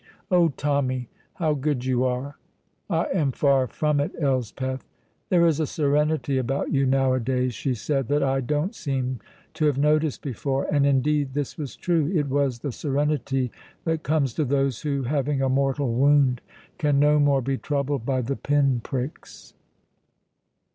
"Oh, Tommy, how good you are!" "I am far from it, Elspeth." "There is a serenity about you nowadays," she said, "that I don't seem to have noticed before," and indeed this was true; it was the serenity that comes to those who, having a mortal wound, can no more be troubled by the pinpricks.